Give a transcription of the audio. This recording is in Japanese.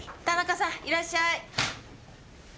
田中さんいらっしゃい。